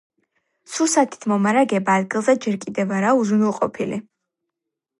სურსათით მომარაგება ადგილზე ჯერ კიდევ არაა უზრუნველყოფილი.